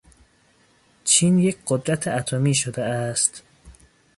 چین یک قدرت اتمی شده است.